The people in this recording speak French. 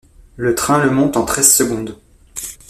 Le train le monte en treize secondes.